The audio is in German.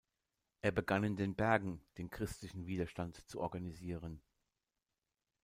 Er begann in den Bergen den christlichen Widerstand zu organisieren.